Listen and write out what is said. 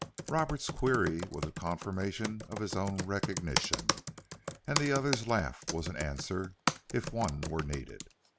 Roberts's query was a confirmation of his own recognition. And the other's laugh was an answer, if one were needed.